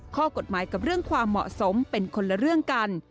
ข้อกฎหมายกับเรื่องความเหมาะสมเป็นคนละเรื่องกัน